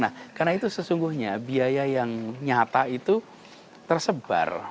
nah karena itu sesungguhnya biaya yang nyata itu tersebar